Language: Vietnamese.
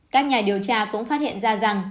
các nhà điều tra cũng phát hiện ra rằng